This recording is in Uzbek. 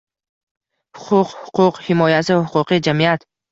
«Huquq», «huquq himoyasi», «huquqiy jamiyat» –